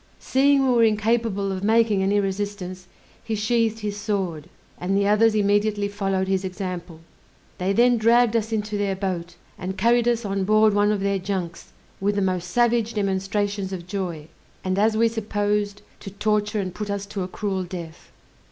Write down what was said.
Seeing we were incapable of making any resistance, he sheathed his sword, and the others immediately followed his example. They then dragged us into their boat, and carried us on board one of their junks, with the most savage demonstrations of joy, and as we supposed, to torture and put us to a cruel death.